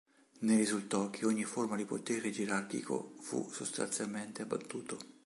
Ne risultò che ogni forma di potere gerarchico fu sostanzialmente abbattuto.